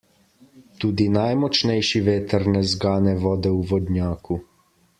Tudi najmočnejši veter ne zgane vode v vodnjaku.